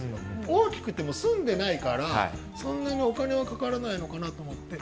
大きくても住んでないからそんなにお金はかからないのかなと思って。